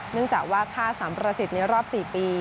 เนื่องจากว่าค่าสัมประสิทธิ์ในรอบ๔ปี